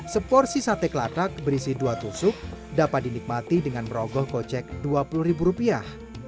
seporsi sate kelatak berisi dua tusuk dapat dinikmati dengan merogoh kocek dua puluh ribu rupiah